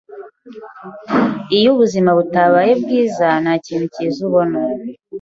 iyo ubuzima butabaye bwiza ntakintu cyiza ubona